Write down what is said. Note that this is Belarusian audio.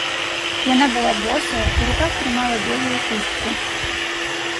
Яна была босая, у руках трымала белую хустку.